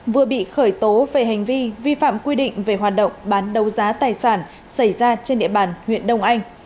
vừa bị khởi tố về hành vi vi phạm quy định về hoạt động bán đấu giá tài sản xảy ra trên địa bàn huyện đông anh